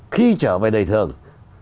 khi trở về đời thường